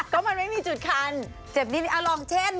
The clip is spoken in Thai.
ก็มันไม่มีจุดคั้น